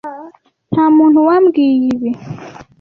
Nta muntu wambwiye ibi.